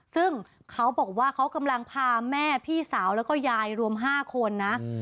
ซึ่งเขาบอกว่าเขากำลังพาแม่พี่สาวแล้วก็ยายรวม๕คนนะ